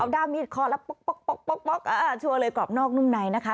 เอาด้ามมีดคอแล้วป๊อกป๊อกป๊อกป๊อกป๊อกอ่าชัวร์เลยกรอบนอกนุ่มในนะคะ